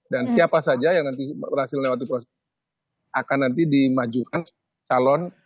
dan siapa saja yang nanti berhasil lewati proses akan nanti dimajukan calon